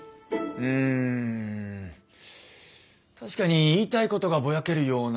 うん確かに言いたいことがぼやけるような。